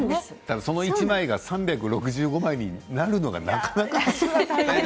それが３６５枚になるのがなかなかね。